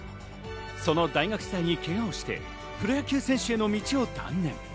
その大学時代にけがをして、プロ野球選手の道を断念。